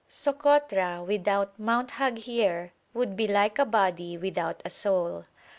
Sokotra without Mount Haghier would be like a body without a soul.